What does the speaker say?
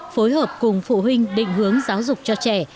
phối hợp cùng phụ huynh định hướng giáo dục cho trẻ